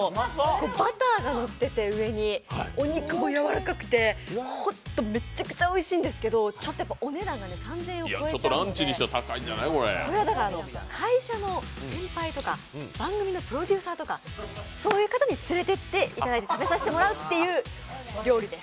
バターが上にのってて、お肉もやわらかくて、本当めちゃくちゃおいしいんですけど、ちょっとお値段が３００円を超えちゃうので会社の先輩とか番組のプロデューサーとか、そういう方に連れていっていただいて食べさせてもらう料理です。